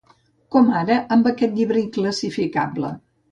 Com ara amb aquest llibre inclassificable.